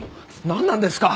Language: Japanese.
なんなんですか？